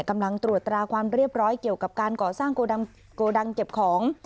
กำลังตรวจตราความเรียบร้อยเกี่ยวกับการก่อสร้างโกดังเก็บของ